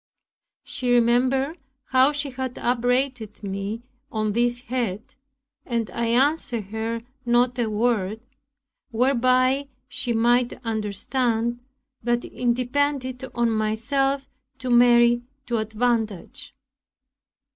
She remembered how she had upbraided me on this head, and I answered her not a word, whereby she might understand that it depended on myself to marry to advantage.